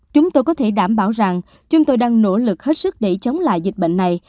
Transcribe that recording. chúng tôi có thể đảm bảo rằng chúng tôi đang nỗ lực hết sức để chống lại dịch bệnh này